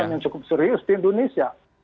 itu yang kedua